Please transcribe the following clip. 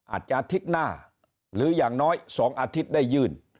อาทิตย์หน้าหรืออย่างน้อย๒อาทิตย์ได้ยื่น